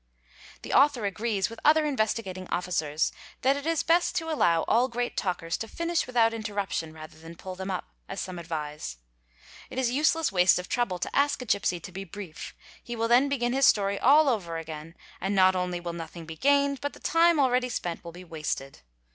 The author agrees with other Investigating Officers that it is best to allow all great talkers to finish without interruption rather than pull them up, as some advise. It is useless waste of trouble to ask a gipsy to be brief; he will then begin his story all over again and "not only will nothing be gained but the time already spent will be wasted.